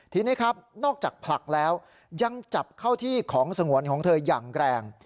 ทีนี้ครับนอกจากผลักแล้วยังจับเข้าที่ของสงวนของเธออย่างแรง